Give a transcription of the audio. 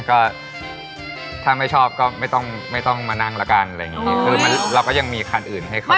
ก็ถ้าไม่ชอบก็ไม่ต้องมานั่งละกันอะไรอย่างเงี้ยคือเราก็ยังมีคันอื่นให้เขา